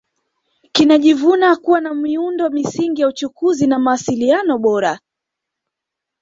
Kinajivuna kuwa na miundo msingi ya uchukuzi na mawasiliano bora